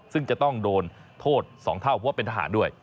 ซึ่งจะต้องโดนโทษ๒เท่าเพราะว่าเป็นทหารด้วย